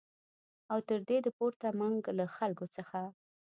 او تر دې د پورته منګ له خلکو څخه